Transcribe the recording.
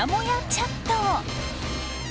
チャット。